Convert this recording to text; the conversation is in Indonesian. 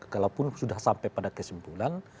kalaupun sudah sampai pada kesimpulan